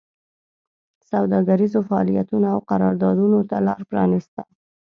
سوداګریزو فعالیتونو او قراردادونو ته لار پرانېسته